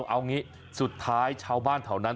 เอางี้สุดท้ายชาวบ้านแถวนั้น